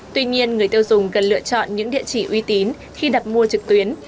tuy nhiên người tiêu dùng cần lựa chọn những địa chỉ uy tín khi đặt mua trực tuyến